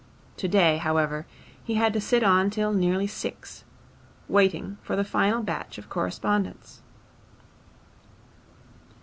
Today, however, he had to sit on till nearly six, waiting for the final batch of correspondence.